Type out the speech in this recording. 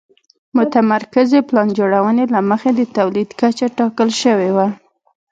متمرکزې پلان جوړونې له مخې د تولید کچه ټاکل شوې وه.